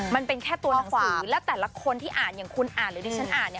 มันเป็นแค่ตัวหนังสือแล้วแต่ละคนที่อ่านอย่างคุณอ่านหรือที่ฉันอ่านเนี่ย